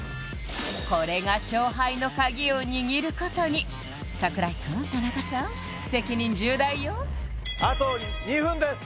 これが勝敗の鍵を握ることに櫻井君田中さん責任重大よあと２分です